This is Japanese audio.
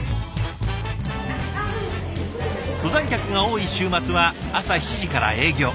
登山客が多い週末は朝７時から営業。